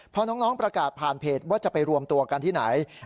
พอน้องประกาศผ่านเพจว่าจะไปรวมตัวกันที่ไหน